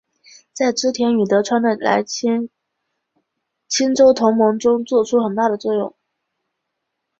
在织田与德川的清洲同盟中作出很大的作用。